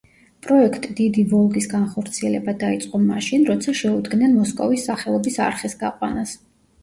პროექტ „დიდი ვოლგის“ განხორციელება დაიწყო მაშინ, როცა შეუდგნენ მოსკოვის სახელობის არხის გაყვანას.